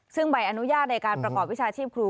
ซึ่งใบอนุญาตในการประกอบวิชาชีพครู